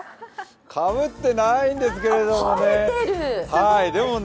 かぶってないんですけれどもね。